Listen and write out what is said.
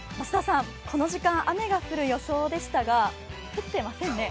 この時間、雨が降る予想でしたが、降っていませんね。